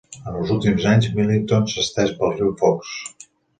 En els últims anys, Millington s'ha estès pel riu Fox.